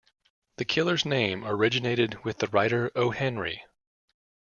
The killer's name originated with the writer O. Henry.